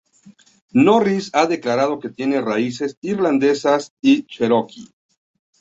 Norris ha declarado que tiene raíces irlandesas y Cherokee.